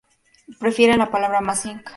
Prefieren la palabra "Amazigh".